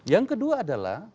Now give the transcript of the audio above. yang kedua adalah